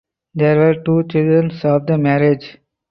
There were two children of the marriage.